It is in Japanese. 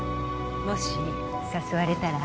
もし誘われたら？